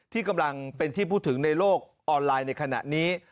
ที่กำลังเป็นที่พูดถึงในโลกออนไลน์ในขณะนี้